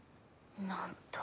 何と。